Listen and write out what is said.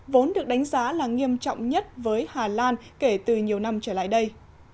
vốn được đánh giá là nghiêm trọng nhất với hà lan kể từ nhiều năm trở lại đây